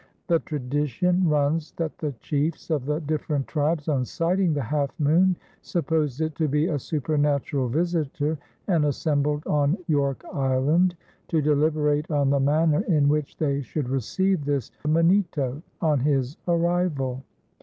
The tradition runs that the chiefs of the different tribes on sighting the Half Moon supposed it to be a supernatural visitor and assembled on "York Island" to deliberate on the manner in which they should receive this Manito on his arrival.